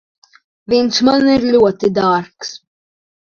Viņš man ir ļoti dārgs.